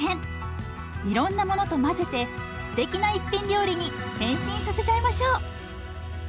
いろんなものと混ぜてすてきな一品料理に変身させちゃいましょう。